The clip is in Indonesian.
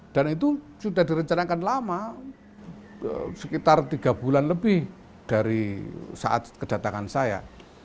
itu sudah direncanakan lama sekitar tiga bulan lebih dari saat kedatangan saya